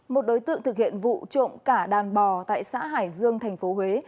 một đối tượng thực hiện vụ trộm cả đàn bò tại xã hải dương tp huế